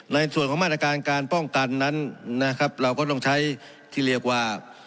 ในส่วนของมาตรการการป้องกันนั้นนะครับเราก็ต้องใช้ที่เรียกว่า